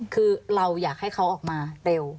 คือเราอยากให้เขาออกมาเร็ว